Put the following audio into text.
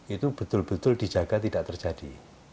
itu betul betul dijaga tidak terjadi